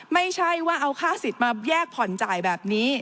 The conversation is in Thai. ไม่ใช่ว่าเอาค่าสิทธิ์มาแยกผ่อนจ่ายแบบนี้